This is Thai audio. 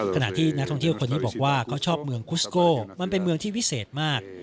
ขณะที่นักท่องเที่ยวคนนี้บอกว่าเขาชอบเมืองคุสโก้มันเป็นเมืองที่วิเศษมาก